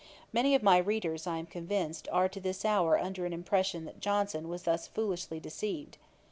Many of my readers, I am convinced, are to this hour under an impression that Johnson was thus foolishly deceived.